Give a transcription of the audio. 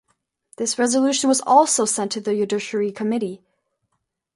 This resolution was also sent to the judiciary committee.